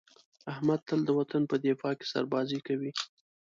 احمد تل د وطن په دفاع کې سربازي کوي.